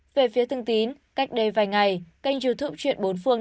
về phía thương tín cách đây vài ngày kênh youtube chuyện bốn phương